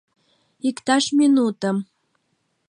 — Иктаж минутым!